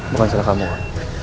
bukan salah kamu pa